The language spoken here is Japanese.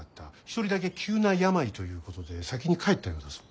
一人だけ急な病ということで先に帰ったようだぞ。